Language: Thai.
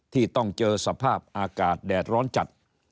ที่ต้องเจอสภาพอากาศแดดร้อนจัด